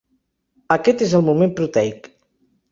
Aquest és el moment proteic.